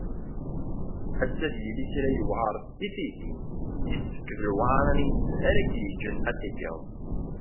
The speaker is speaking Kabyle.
Ɣas ad yili kra yewεer i tigin, yessefk d lewεara-nni-ines ara k-yeǧǧen ad t-tgeḍ.